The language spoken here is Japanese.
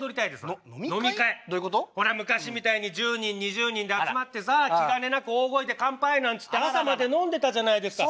昔みたいに１０人２０人で集まってさ気兼ねなく大声で「乾杯」なんつって朝まで飲んでたじゃないですか。